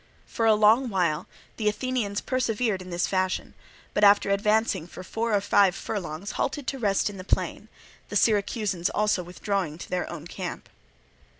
For a long while the Athenians persevered in this fashion, but after advancing for four or five furlongs halted to rest in the plain, the Syracusans also withdrawing to their own camp.